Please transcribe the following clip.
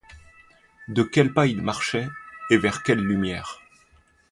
De quel pas ils marchaient et vers quélle lumière ;